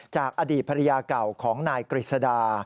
จากอดีตภรรยาเก่าของนายกฤษดา